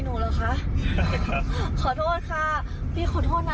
อะไรรอคะพี่